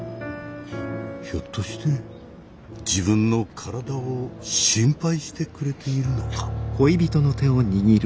ひょっとして自分の体を心配してくれているのか？